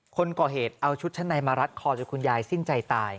คนก่อเหตุเอาชุดชั้นในมารัดคอจนคุณยายสิ้นใจตาย